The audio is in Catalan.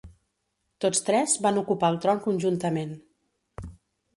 Tots tres van ocupar el tron conjuntament.